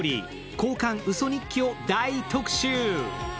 「交換ウソ日記」を大特集。